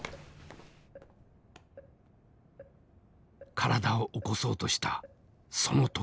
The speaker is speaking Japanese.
体を起こそうとしたその時。